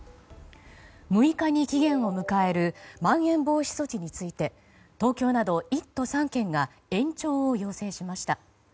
６日に期限を迎えるまん延防止措置について東京など１都３県が延長を要請しました。